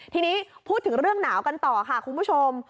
ทีนี้พูดถึงเรื่องหนาวกันต่อค่ะคุณผู้ชม